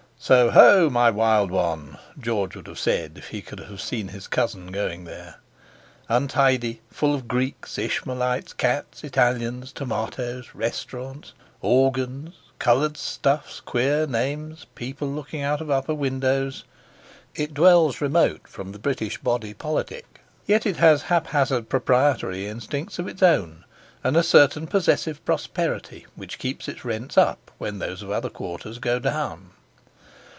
"So ho, my wild one!" George would have said if he had seen his cousin going there. Untidy, full of Greeks, Ishmaelites, cats, Italians, tomatoes, restaurants, organs, coloured stuffs, queer names, people looking out of upper windows, it dwells remote from the British Body Politic. Yet has it haphazard proprietary instincts of its own, and a certain possessive prosperity which keeps its rents up when those of other quarters go down.